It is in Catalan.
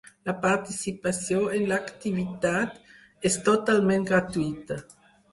La participació en l'activitat és totalment gratuïta.